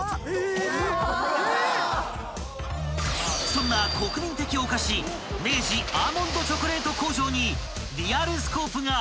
［そんな国民的お菓子明治アーモンドチョコレート工場に『リアルスコープ』が］